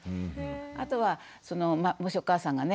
あとはもしお母さんがね